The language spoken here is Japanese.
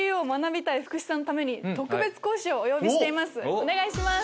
お願いします。